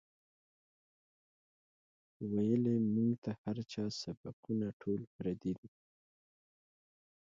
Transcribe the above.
وئیلـي مونږ ته هـر چا سبقــونه ټول پردي دي